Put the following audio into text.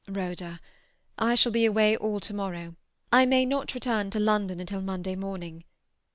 "Rhoda, I shall be away all to morrow; I may not return to London until Monday morning.